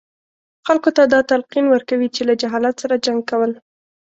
خلکو ته دا تلقین ورکوي چې له جهالت سره جنګ کول.